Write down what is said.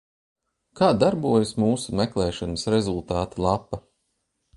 Kā darbojas mūsu meklēšanas rezultātu lapa?